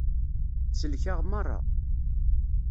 Tsellek-aɣ merra.